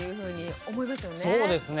そうですね。